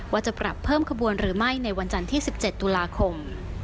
ว่าจะปรับเพิ่มขบวนหรือไม่ในวันจันทร์ที่๑๗ตุลาคม